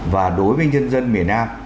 và đối với nhân dân miền nam